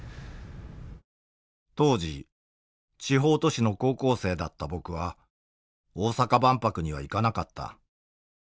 当時地方都市の高校生だった僕は大阪万博には行かなかった。